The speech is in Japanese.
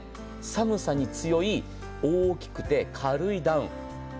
寒さに強い、大きくて軽いダウン。